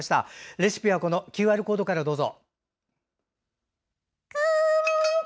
レシピは画面右上のＱＲコードからどうぞ。